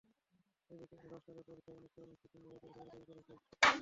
এদিকে অ্যাভাস্ট তাদের পরীক্ষায় অনেক পুরোনো স্মার্টফোন ব্যবহার করেছে বলে দাবি করেছে গুগল।